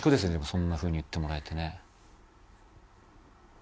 そんな風に言ってもらえてね。